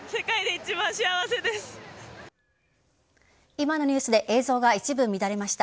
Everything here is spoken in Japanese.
今のニュースで映像が一部乱れました。